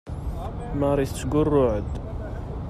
Marie tettgurruɛ-d.